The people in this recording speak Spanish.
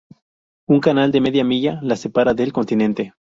Un canal de media milla la separa del continente.